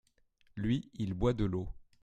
Lui, il boit de l’eau.